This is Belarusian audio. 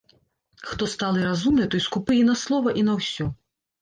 Хто сталы і разумны, той скупы і на слова, і на ўсё.